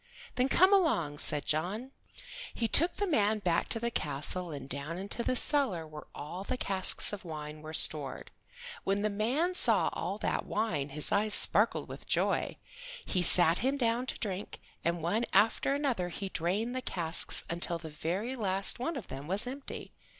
"Then, come along," said John. He took the man back to the castle and down into the cellar where all the casks of wine were stored. When the man saw all that wine his eyes sparkled with joy. He sat him down to drink, and one after another he drained the casks until the very last one of them was empty.